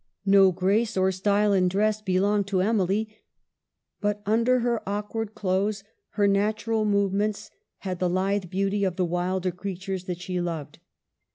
No grace or style in dress be longed to Emily, but under her awkward clothes her natural movements had the lithe beauty of the wild creatures that she loved.